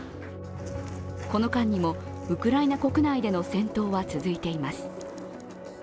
この間にも、ウクライナ国内での戦闘は続いています。